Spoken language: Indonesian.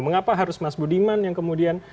mengapa harus mas budiman yang kemudian